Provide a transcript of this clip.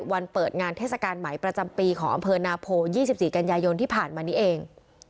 เปิดงานเทศกาลใหม่ประจำปีของอำเภอนาโพ๒๔กันยายนที่ผ่านมานี้เอง